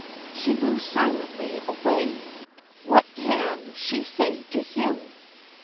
She moves silently away. What can she say to him?